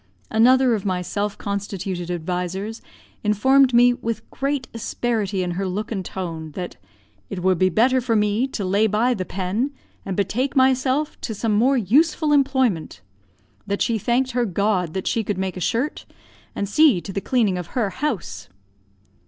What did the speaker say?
Another of my self constituted advisers informed me, with great asperity in her look and tone, that "it would be better for me to lay by the pen, and betake myself to some more useful employment; that she thanked her God that she could make a shirt, and see to the cleaning of her house!"